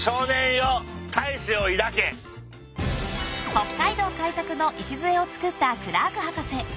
［北海道開拓の礎をつくったクラーク博士］